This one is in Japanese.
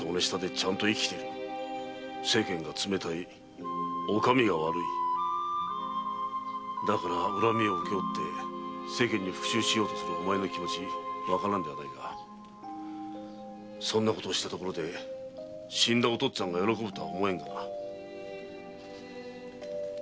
「世間が冷たい」「お上が悪い」だから恨みを請け負って世間に復讐しようとするお前の気持ちわからんではないがそんなことをしたところで死んだお父っつぁんが喜ぶと思うか？